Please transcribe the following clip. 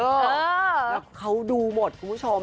แล้วเขาดูหมดคุณผู้ชม